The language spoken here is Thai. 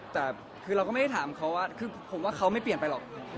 แต่คือเราก็ไม่ได้ถามเขาว่าคือผมว่าเขาไม่เปลี่ยนไปหรอก